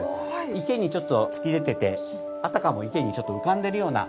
池にちょっと突き出ててあたかも池にちょっと浮かんでるような。